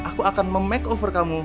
aku akan memakeover kamu